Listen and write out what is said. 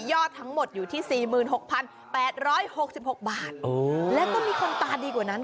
อดทั้งหมดอยู่ที่๔๖๘๖๖บาทแล้วก็มีคนตาดีกว่านั้น